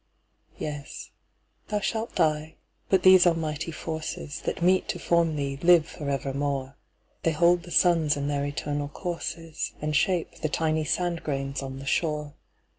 Yes, thou shalt die: but these almighty forces, That meet to form thee, live for evermore; They hold the suns in their eternal courses, And shape the tiny sand grains on the shore.